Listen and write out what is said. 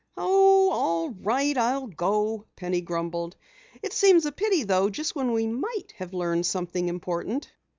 "Oh, all right, I'll go," Penny grumbled. "It seems a pity though, just when we might have learned something important."